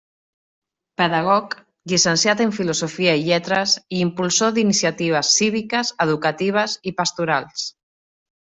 Pedagog, llicenciat en filosofia i lletres i impulsor d'iniciatives cíviques, educatives i pastorals.